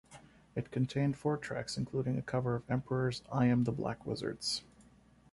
It contained four tracks, including a cover of Emperor's "I am the Black Wizards".